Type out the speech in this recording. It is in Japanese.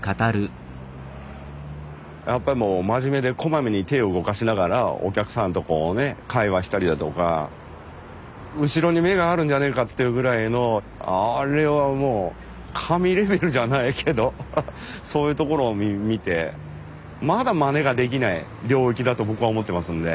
やっぱりもう真面目でこまめに手を動かしながらお客さんとこうね会話したりだとか後ろに目があるんじゃねえかっていうぐらいのあれはもう神レベルじゃないけどそういうところを見てまだまねができない領域だと僕は思ってますんで。